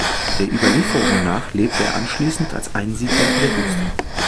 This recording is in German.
Der Überlieferung nach lebte er anschließend als Einsiedler in der Wüste.